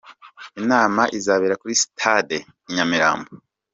Inama izabera kuri Stade i Nyamirambo.